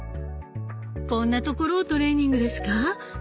こんなところをトレーニングですか？